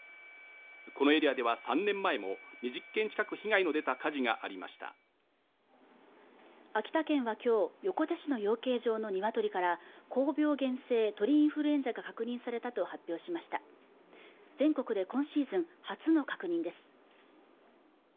このエリアでは３年前も２０軒近く被害の出た火事がありました秋田県はきょう横手市の養鶏場のニワトリから高病原性鳥インフルエンザが確認されたと発表しました全国で今シーズン初の確認です